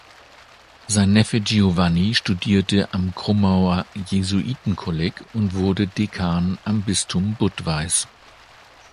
Sein Neffe Giovanni studierte am Krumauer Jesuitenkolleg und wurde Dekan im Bistum Budweis.